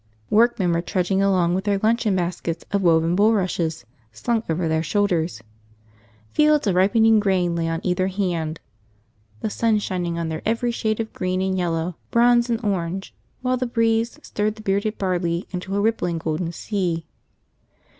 Workmen were trudging along with their luncheon baskets of woven bulrushes slung over their shoulders. Fields of ripening grain lay on either hand, the sun shining on their every shade of green and yellow, bronze and orange, while the breeze stirred the bearded barley into a rippling golden sea.